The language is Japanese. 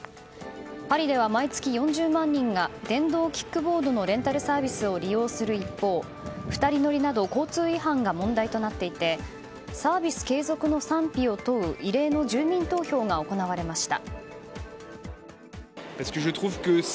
パリでは毎月４０万人が電動キックボードのレンタルサービスを利用する一方２人乗りなど交通違反が問題となっていてサービス継続の賛否を問う異例の住民投票が行われました。